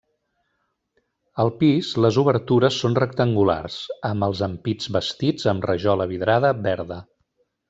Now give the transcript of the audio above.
Al pis, les obertures són rectangulars, amb els ampits bastits amb rajola vidrada verda.